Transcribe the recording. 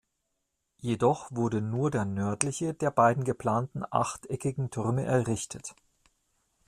Jedoch wurde nur der nördliche der beiden geplanten achteckigen Türme errichtet.